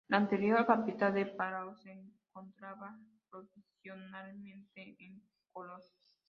La anterior capital de Palaos se encontraba provisionalmente en Koror.